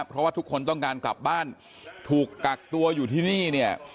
เพราะว่าทุกคนต้องการกลับบ้านถูกกักตัวอยู่ที่นี่เนี่ย